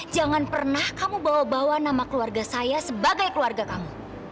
jangan pernah kamu bawa bawa nama keluarga saya sebagai keluarga kamu